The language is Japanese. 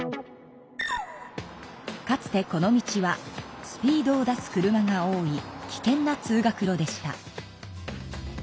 かつてこの道はスピードを出す車が多い危険な通学路でした。